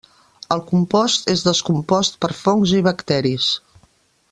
El compost és descompost per fongs i bacteris.